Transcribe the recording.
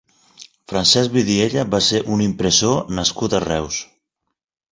Francesc Vidiella va ser un impressor nascut a Reus.